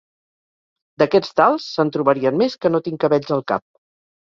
D'aquests tals, se'n trobarien més que no tinc cabells al cap.